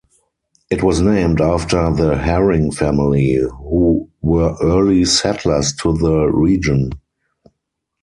It was named after the Haring family, who were early settlers to the region.